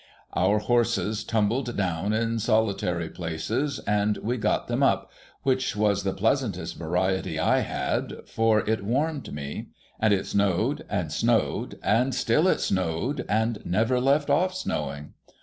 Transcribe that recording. Our horses tumbled down in solitary places, and we got them up, — which was the pleasantest variety / had, for it warmed me. And it snowed and snowed, and still it snowed, and never left off snowing.